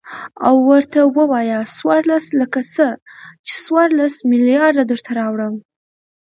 او ورته ووايه څورلس لکه څه ،چې څورلس ملېارده درته راوړم.